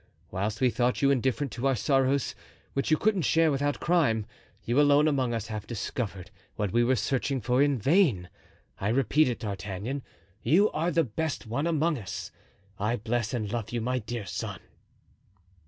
Whilst we thought you indifferent to our sorrows, which you couldn't share without crime, you alone among us have discovered what we were searching for in vain. I repeat it, D'Artagnan, you are the best one among us; I bless and love you, my dear son."